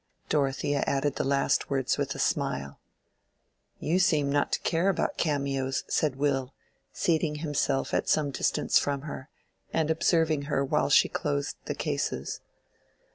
Dorothea added the last words with a smile. "You seem not to care about cameos," said Will, seating himself at some distance from her, and observing her while she closed the cases.